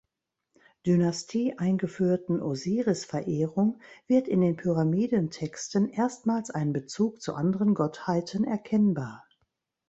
Dynastie eingeführten Osiris-Verehrung wird in den Pyramidentexten erstmals ein Bezug zu anderen Gottheiten erkennbar.